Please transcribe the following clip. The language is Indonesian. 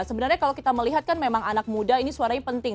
sebenarnya kalau kita melihat kan memang anak muda ini suaranya penting